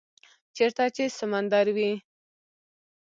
- چیرته چې سمندر وی،